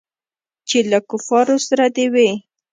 چې له کفارو سره دې وي.